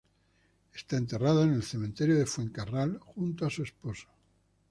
Está enterrada en el Cementerio de Fuencarral, junto a su esposo.